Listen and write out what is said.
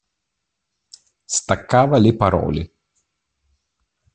Staccava le parole.